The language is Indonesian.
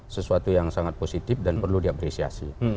sesuatu yang sangat positif dan perlu diapresiasi